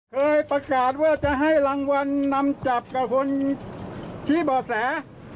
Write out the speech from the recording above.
เคยประกาศว่าจะให้รางวัลนำจับกับคนชี้บ่อแส